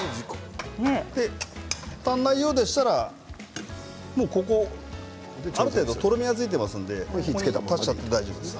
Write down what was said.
足らないようでしたらここ、ある程度とろみがついていますので出しちゃって大丈夫です。